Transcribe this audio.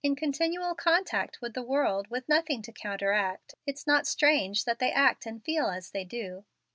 "In continual contact with the world, with nothing to counteract, it's not strange that they act and feel as they do."